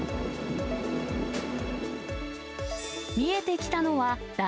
見えてきたのは、だ